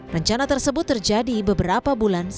rencana tersebut terjadi beberapa bulan setelah itu